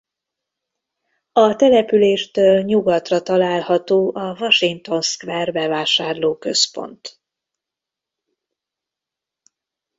A településtől nyugatra található a Washington Square bevásárlóközpont.